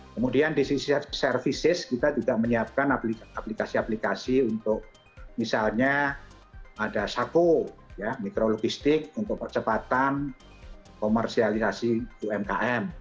kemudian di sisi services kita juga menyiapkan aplikasi aplikasi untuk misalnya ada sako mikro logistik untuk percepatan komersialisasi umkm